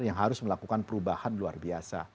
yang harus melakukan perubahan luar biasa